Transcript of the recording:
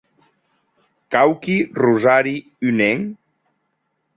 Quauqui rosari unenc?